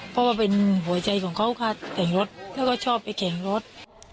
เพราะว่าเป็นหัวใจของเขาค่ะแต่งรถแล้วก็ชอบไปแข่งรถ